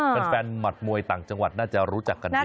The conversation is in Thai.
แฟนหมัดมวยต่างจังหวัดน่าจะรู้จักกันดี